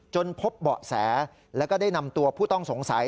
จนพบเบาะแสแล้วก็ได้นำตัวผู้ต้องสงสัย